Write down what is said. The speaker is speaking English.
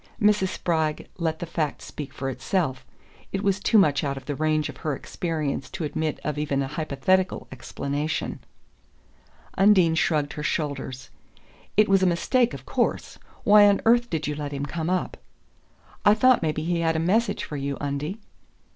Mrs. Spragg let the fact speak for itself it was too much out of the range of her experience to admit of even a hypothetical explanation. Undine shrugged her shoulders. "It was a mistake, of course. Why on earth did you let him come up?" "I thought maybe he had a message for you, Undie."